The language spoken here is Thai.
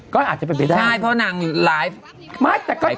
ก็อาจจะไปได้นะครับใช่เพราะว่านางร้าย